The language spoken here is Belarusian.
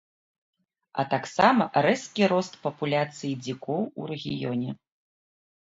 А таксама рэзкі рост папуляцыі дзікоў у рэгіёне.